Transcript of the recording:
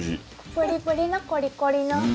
プリプリのコリコリの。